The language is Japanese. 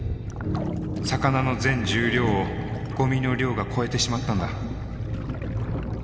魚の全重量をごみの量が超えてしまったんだ。